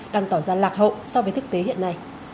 đang tỏ ra lạc hậu so với thực tế hiện nay